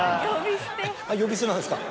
呼び捨てなんですか？